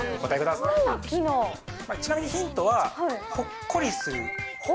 ちなみにヒントは、ほっこりする？